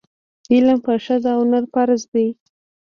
علم په ښځه او نر فرض ده.